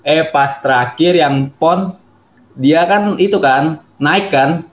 eh pas terakhir yang pon dia kan itu kan naik kan